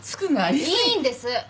いいんです！